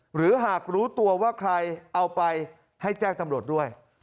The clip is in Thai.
หรือหากรู้ตัวว่าใครเอาไปให้แจ้งตำรวจด้วย